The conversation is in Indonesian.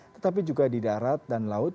tetapi juga di darat dan laut